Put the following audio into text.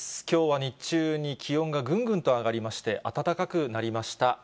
きょうは日中に気温がぐんぐんと上がりまして、暖かくなりました。